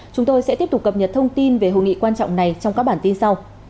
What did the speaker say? chúng tôi sẽ tiếp tục cập nhật thông tin về hội nghị quan trọng này trong các bản tin sau